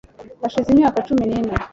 hashize imyaka cumi n ine